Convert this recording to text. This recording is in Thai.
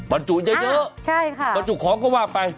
บรรจุเยอะบรรจุของก็ว่าไป